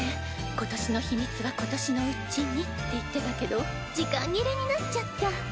今年の秘密は今年のうちにって言ってたけど時間切れになっちゃった。